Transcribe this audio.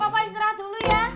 papa istirahat dulu ya